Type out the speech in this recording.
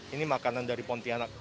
ini makanan dari pontianak